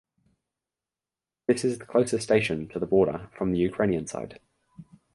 This is the closest station to the border from the Ukrainian side.